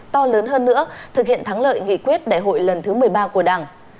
to lớn hơn nữa thực hiện thắng lợi nghị quyết đại hội lần thứ một mươi ba của đảng